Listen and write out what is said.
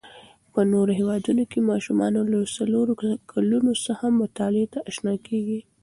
په نورو هیوادو کې ماشومان له څلورو کلونو څخه مطالعې ته آشنا کېږي.